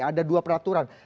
ada dua peraturan